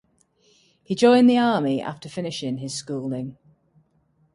He joined the Army after finishing his schooling.